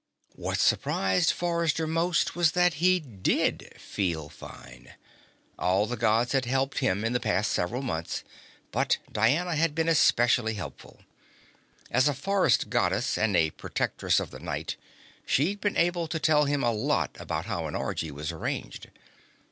What surprised Forrester most was that he did feel fine. All the Gods had helped him in the past several months, but Diana had been especially helpful. As a forest Goddess, and as Protectress of the Night, she'd been able to tell him a lot about how an orgy was arranged.